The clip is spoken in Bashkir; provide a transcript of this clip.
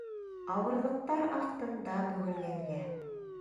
Ауырлыҡтар аҫтында бөгөлгәнгә